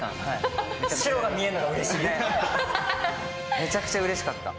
めちゃくちゃうれしかった。